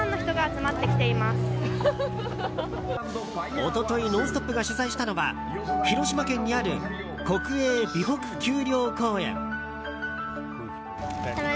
一昨日、「ノンストップ！」が取材したのは広島県にある国営備北丘陵公園。